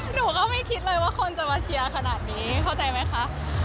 หนูก็ไม่คิดเลยว่าคนจะมาเชียร์ขนาดนี้เข้าใจไหมคะ